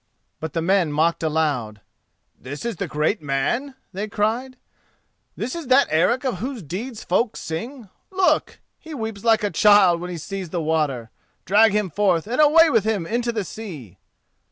But the men mocked aloud. "This is the great man," they cried, "this is that Eric of whose deeds folk sing! Look! he weeps like a child when he sees the water. Drag him forth and away with him into the sea!"